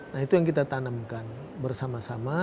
nah itu yang kita tanamkan bersama sama